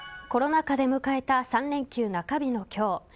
コロナ禍で迎えた３連休中日の今日。